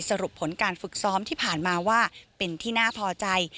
สรุปผลการฝึกซ้อมที่ผ่านมาว่าเป็นที่น่าพอใจ